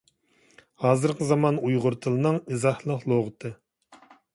ھازىرقى زامان ئۇيغۇر تىلىنىڭ ئىزاھلىق لۇغىتى